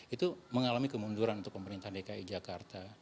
itu mengalami kemunduran untuk pemerintahan dki jakarta